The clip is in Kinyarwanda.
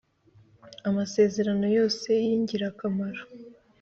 Amasezerano yose y ingirakamaro